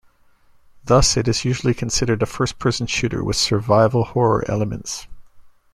Thus, it is usually considered a first-person shooter with survival horror elements.